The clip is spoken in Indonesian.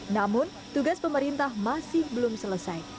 namun tugas pemerintah masih belum selesai